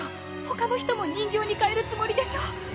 他の人も人形に変えるつもりでしょ？